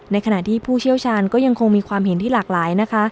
ขณะที่ผู้เชี่ยวชาญก็ยังคงมีความเห็นที่หลากหลายนะคะ